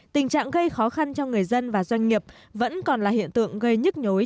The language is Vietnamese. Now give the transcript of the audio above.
tình trạng gây khó khăn cho người dân và doanh nghiệp vẫn còn là hiện tượng gây nhức nhối